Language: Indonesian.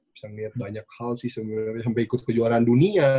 bisa melihat banyak hal sih sebenarnya sampai ikut kejuaraan dunia